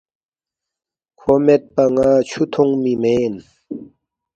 کھو میدپا ن٘ا چھُو تُھونگمی مین